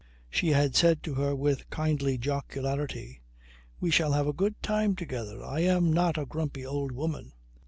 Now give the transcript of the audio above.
She had said to her with kindly jocularity: "We shall have a good time together. I am not a grumpy old woman."